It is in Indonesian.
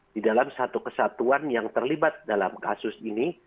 di dalam satu kesatuan yang terlibat dalam kasus ini